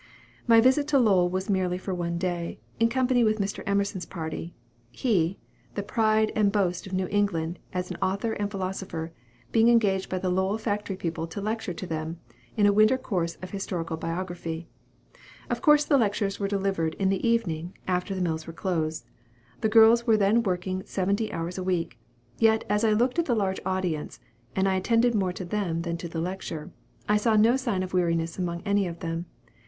My visit to Lowell was merely for one day, in company with Mr. Emerson's party, he (the pride and boast of New England as an author and philosopher) being engaged by the Lowell factory people to lecture to them, in a winter course of historical biography. Of course the lectures were delivered in the evening, after the mills were closed. The girls were then working seventy hours a week, yet, as I looked at the large audience (and I attended more to them than to the lecture) I saw no sign of weariness among any of them.